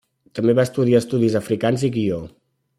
També va estudiar estudis africans i guió.